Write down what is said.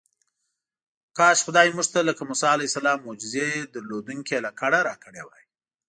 کاش خدای موږ ته لکه موسی علیه السلام معجزې درلودونکې لکړه راکړې وای.